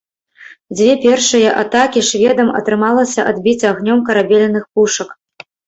Дзве першыя атакі шведам атрымалася адбіць агнём карабельных пушак.